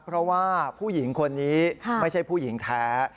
เพราะว่าผู้หญิงคนนี้ไม่ใช่ผู้หญิงแท้